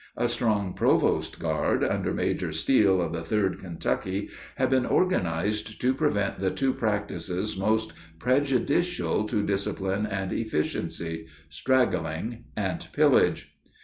A strong provost guard, under Major Steele of the 3d Kentucky, had been organized to prevent the two practices most prejudicial to discipline and efficiency straggling and pillage.